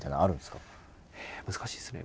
ええ難しいですね。